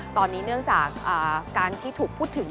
ตอนนี้เนื่องจากการที่ถูกพูดถึง